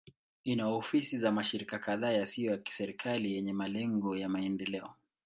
Ina ofisi za mashirika kadhaa yasiyo ya kiserikali yenye malengo ya maendeleo.